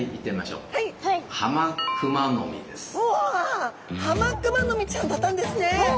うわあハマクマノミちゃんだったんですね。